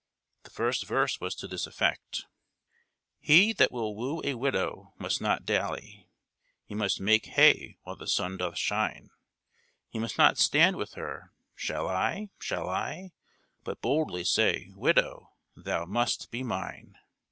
The first verse was to this effect: He that will woo a widow must not dally, He must make hay while the sun doth shine; He must not stand with her, Shall I, Shall I? But boldly say, Widow, thou must be mine.